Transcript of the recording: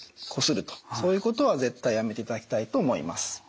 そういうことは絶対やめていただきたいと思います。